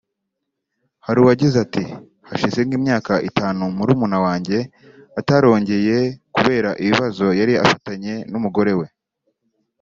Hari uwagize ati ‘‘Hashize nk’imyaka itanu murumuna wanjye atorongeye kubera ibibazo yari afitanye n’umugore we